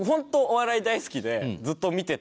お笑い大好きでずっと見てて。